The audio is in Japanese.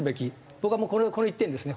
僕はもうこの１点ですね。